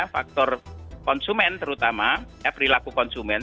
faktor konsumen terutama perilaku konsumen